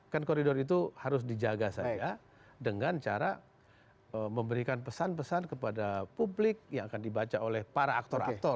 kan koridor itu harus dijaga saja dengan cara memberikan pesan pesan kepada publik yang akan dibaca oleh para aktor aktor